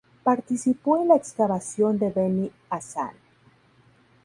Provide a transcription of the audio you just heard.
Participó en la excavación de Beni Hasan.